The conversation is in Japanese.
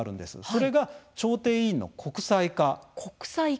それが調停委員の国際化。